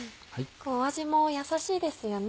味もやさしいですよね。